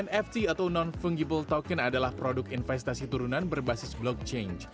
nft atau non fungible token adalah produk investasi turunan berbasis blockchain